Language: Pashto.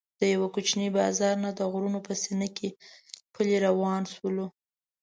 د یوه کوچني بازار نه د غرونو په سینه کې پلی روان شولو.